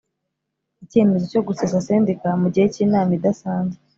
Icyemezo cyo gusesa Sendika mugihe cy’inama idasanzwe